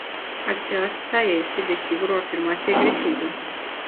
Aceasta este, desigur, o afirmație greșită.